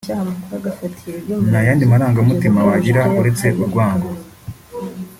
nta yandi marangamutima wagira uretse urwango